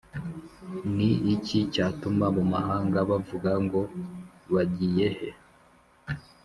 Ni iki cyatuma mu mahanga bavuga ngo: bagiyehe